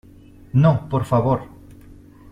no, por favor.